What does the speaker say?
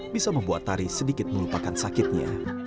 bisa membuat tari sedikit melupakan sakitnya